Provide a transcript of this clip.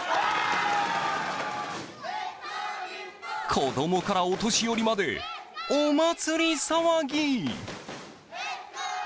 子供からお年寄りまでお祭り騒ぎ。